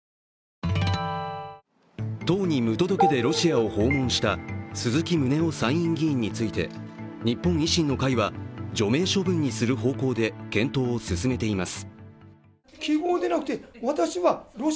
党に無届けでロシアを訪問した鈴木宗男参院議員について日本維新の会は除名処分にする方向で検討を進めています。